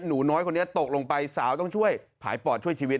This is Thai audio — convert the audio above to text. หนูน้อยคนนี้ตกลงไปสาวต้องช่วยผ่ายปอดช่วยชีวิต